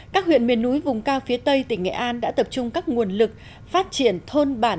các huyện miền núi vùng cao phía tây tỉnh nghệ an đã tập trung các nguồn lực phát triển thôn bản